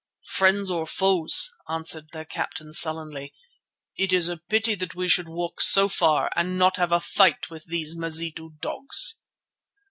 "Friends or foes," answered their captain sullenly, "it is a pity that we should walk so far and not have a fight with those Mazitu dogs."